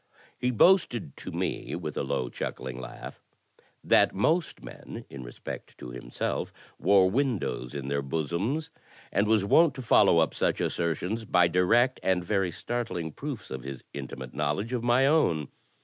He boasted to me, with a low chuckling laugh, that most men, in respect to himself, wore windows in their bosoms, and was wont to follow up such assertions by direct and very startling proofs of his intimate knowledge of my own.